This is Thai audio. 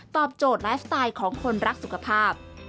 โจทย์ไลฟ์สไตล์ของคนรักสุขภาพ